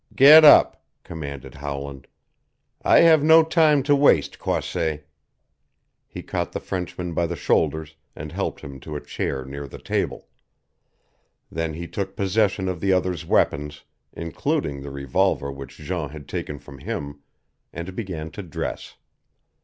"Get up!" commanded Howland. "I have no time to waste, Croisset." He caught the Frenchman by the shoulders and helped him to a chair near the table. Then he took possession of the other's weapons, including the revolver which Jean had taken from him, and began to dress.